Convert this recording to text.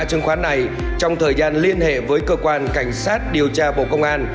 chứng khoán này trong thời gian liên hệ với cơ quan cảnh sát điều tra bộ công an